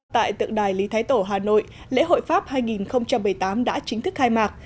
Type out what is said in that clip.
tại tượng đài lý thái tổ hà nội lễ hội pháp hai nghìn một mươi tám đã chính thức khai mạc